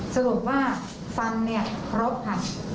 สรุปว่าฟันครบผัก